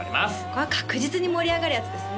これは確実に盛り上がるやつですね